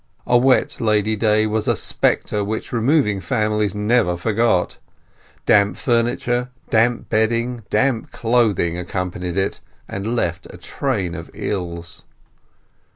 A wet Lady Day was a spectre which removing families never forgot; damp furniture, damp bedding, damp clothing accompanied it, and left a train of ills.